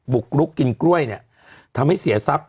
บุกรุกกินกล้วยเนี่ยทำให้เสียทรัพย